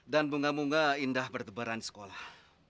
dan bunga bunga indah berdebaran sekolah